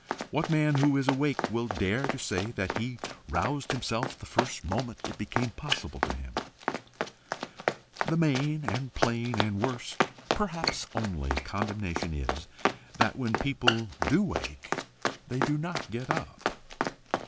What man who is awake will dare to say that he roused himself the first moment it became possible to him? The main and plain and worst, perhaps only condemnation is that when people do wake they do not get up.